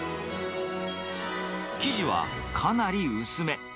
生地はかなり薄め。